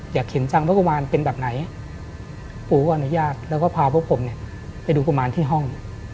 อยากเห็นจังว่ากุมารเป็นแบบไหนปู่ก็อนุญาตแล้วก็พาพวกผมเนี่ยไปดูกุมารที่ห้อง